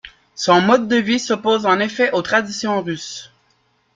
Son mode de vie s'oppose en effet aux traditions russes.